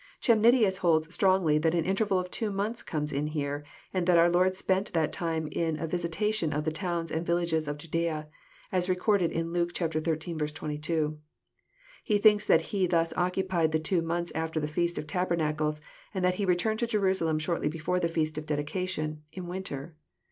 Chemnitius holds strongly that an interval of two months comes in here, and that our Lord spent that time in a visitation of the towns and villages of Judssa, as related in Luke xiii. 22. He thinks that He thus occupied the two months after the feast of tabernacles, and that He returned to Jerusalem shortly be fore the feast of dedication, in winter.